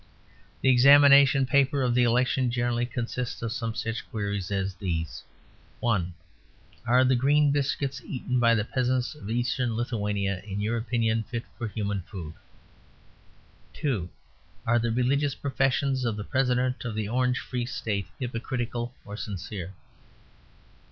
The examination paper of the Election generally consists of some such queries as these: "I. Are the green biscuits eaten by the peasants of Eastern Lithuania in your opinion fit for human food? II. Are the religious professions of the President of the Orange Free State hypocritical or sincere?